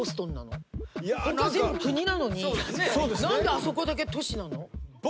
何であそこだけ都市なの？